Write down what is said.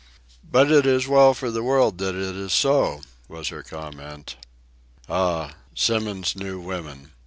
"But it is well for the world that it is so," was her comment. Ah, Symons knew women!